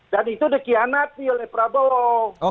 dan itu dikianati oleh prabowo